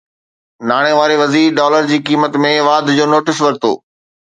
ناڻي واري وزير ڊالر جي قيمت ۾ واڌ جو نوٽيس ورتو